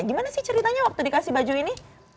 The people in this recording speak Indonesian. gimana sih ceritanya waktu dikasih baju ini